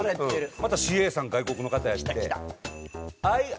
またＣＡさん外国の方やって。